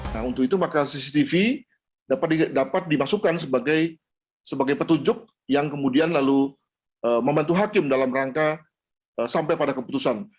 nah untuk itu maka cctv dapat dimasukkan sebagai petunjuk yang kemudian lalu membantu hakim dalam rangka sampai pada keputusan